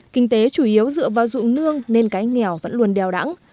kinh tế chủ yếu dựa vào dụng nương nên cái nghèo vẫn luôn đeo đằng